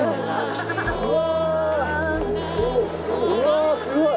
うわーすごい！